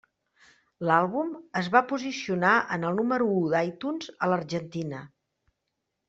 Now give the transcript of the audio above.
L'àlbum es va posicionar en el número u d'iTunes a l'Argentina.